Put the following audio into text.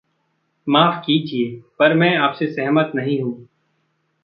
माफ़ किजिए, पर मैं आपसे सहमत नहीं हूँ।